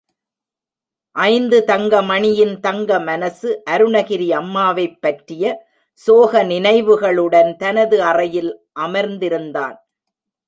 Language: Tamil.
ஐந்து தங்கமணியின் தங்க மனசு அருணகிரி அம்மாவைப் பற்றிய சோக நினைவுகளுடன் தனது அறையில் அமர்ந்திருந்தான்.